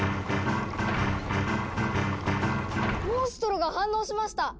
モンストロが反応しました！